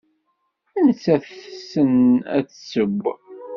Nettat tessen ad tesseww.